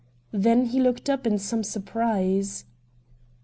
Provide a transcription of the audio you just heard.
Then he looked up in some sur prise.